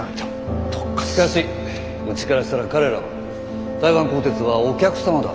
しかしうちからしたら彼らは台湾高鐵はお客様だ。